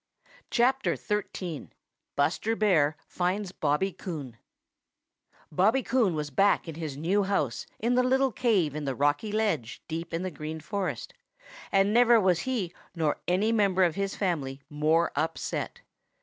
XXIII. BUSTER BEAR FINDS BOBBY COON |BOBBY COON was back in his new house, in the little cave in the rocky ledge deep in the Green Forest, and never was he or any member of his family more upset.